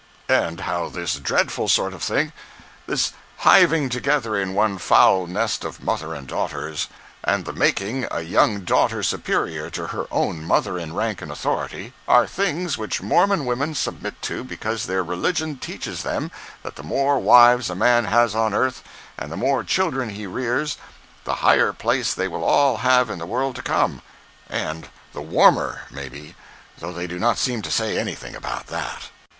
And how this dreadful sort of thing, this hiving together in one foul nest of mother and daughters, and the making a young daughter superior to her own mother in rank and authority, are things which Mormon women submit to because their religion teaches them that the more wives a man has on earth, and the more children he rears, the higher the place they will all have in the world to come—and the warmer, maybe, though they do not seem to say anything about that.